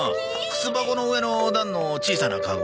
靴箱の上の段の小さなかご。